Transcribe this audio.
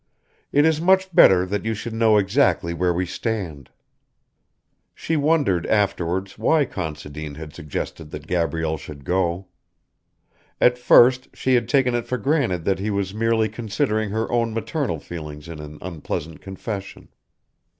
It is much better that you should know exactly where we stand." She wondered afterwards why Considine had suggested that Gabrielle should go. At first she had taken it for granted that he was merely considering her own maternal feelings in an unpleasant confession.